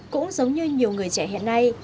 cũng giống như nhiều người trẻ hiện nay